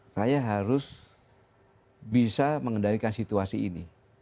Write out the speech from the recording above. saya harus bisa mengendalikan situasi ini